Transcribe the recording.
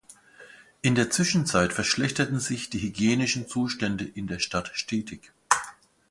In der Zwischenzeit verschlechterten sich die hygienischen Zustände in der Stadt stetig.